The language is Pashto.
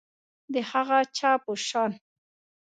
د هغه چا په شان